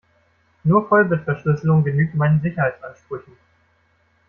Nur Vollbitverschlüsselung genügt meinen Sicherheitsansprüchen.